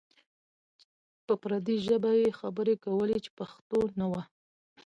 په پردۍ ژبه یې خبرې کولې چې پښتو نه وه.